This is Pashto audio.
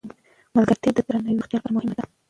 ملګرتیا د رواني روغتیا لپاره مهمه ده.